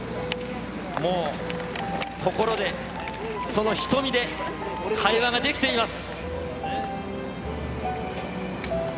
もう、心で、その瞳で、会話ができています。